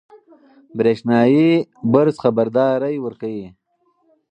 برېښنایي برس خبرداری ورکوي.